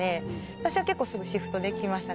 私は結構すぐシフトできました。